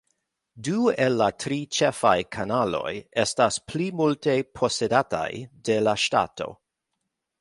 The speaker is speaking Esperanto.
Du el la tri ĉefaj kanaloj estas plimulte posedataj de la ŝtato.